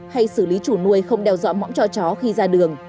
hay xử lý chủ nuôi không đeo rõ mõm cho chó khi ra đường